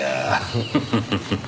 フフフフフ。